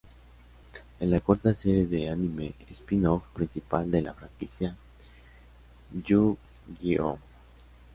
Es la cuarta serie de anime spin-off principal de la franquicia Yu-Gi-Oh!